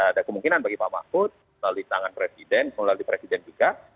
ada kemungkinan bagi pak mahfud melalui tangan presiden melalui presiden juga